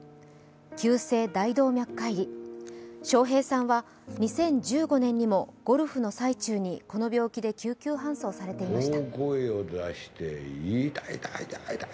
急性大動脈解離、笑瓶さんは２０１５年にもゴルフの最中にこの病気で救急搬送されていました。